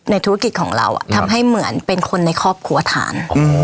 ธุรกิจของเราทำให้เหมือนเป็นคนในครอบครัวทาน